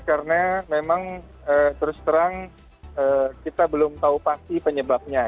karena memang terus terang kita belum tahu pasti penyebabnya